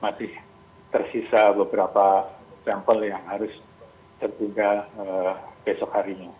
masih tersisa beberapa sampel yang harus tertunda besok harinya